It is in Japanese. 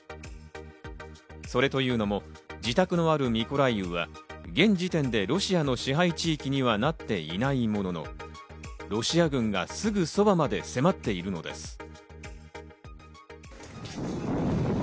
それというのも自宅のあるミコライウは現時点でロシアの支配地域にはなっていないものの、ロシア軍がすぐそばまで迫っているのです。